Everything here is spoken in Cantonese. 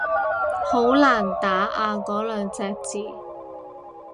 好難打啊嗰兩隻字